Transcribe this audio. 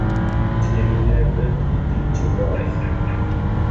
Tinyei kiplengwet itik che koen